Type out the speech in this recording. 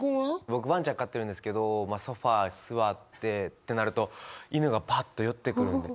僕ワンちゃん飼ってるんですけどソファー座ってってなると犬がパッと寄ってくるんで。